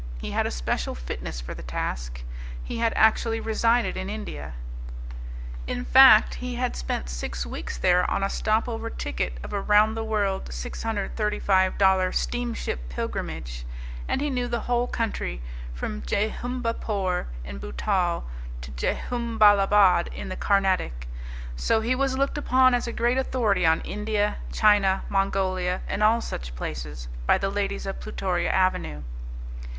He had a special fitness for the task: he had actually resided in India. In fact, he had spent six weeks there on a stop over ticket of a round the world 635 dollar steamship pilgrimage; and he knew the whole country from Jehumbapore in Bhootal to Jehumbalabad in the Carnatic. So he was looked upon as a great authority on India, China, Mongolia, and all such places, by the ladies of Plutoria Avenue.